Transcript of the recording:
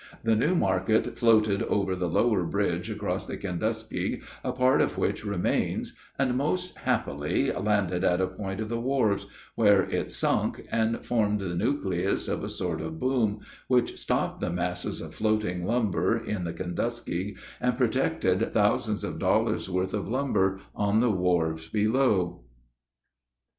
The new market floated over the lower bridge across the Kenduskeag, a part of which remains, and, most happily, landed at a point of the wharves, where it sunk, and formed the nucleus of a sort of boom, which stopped the masses of floating lumber in the Kenduskeag, and protected thousands of dollars' worth of lumber on the wharves below."